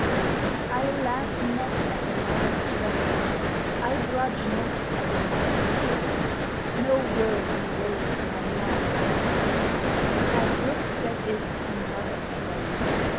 I laugh not at another's losse, I grudge not at another's gaine ; No worldly wave my mind can tosse ; I brooke that is another's bane.